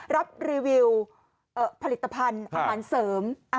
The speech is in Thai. รับรีวิวผลิตภัณฑ์อาหารเสริม